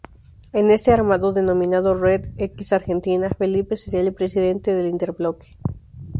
En este armado denominado Red x Argentina Felipe seria el presidente del interbloque.